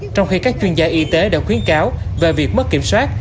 trong khi các chuyên gia y tế đã khuyến cáo về việc mất kiểm soát